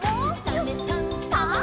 「サメさんサバさん」